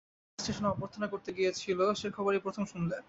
ওর দাদা যে স্টেশনে অভ্যর্থনা করতে গিয়েছিল সে খবর এই প্রথম শুনলে।